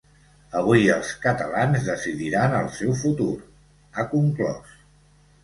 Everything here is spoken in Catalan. Avui els catalans decidiran el seu futur, ha conclòs.